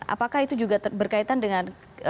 apakah itu juga berkaitan dengan